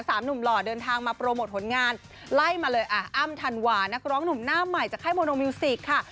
หนุ่มหล่อเดินทางมาโปรโมทผลงานไล่มาเลยอ่ะอ้ำธันวานักร้องหนุ่มหน้าใหม่จากค่ายโมโนมิวสิกค่ะ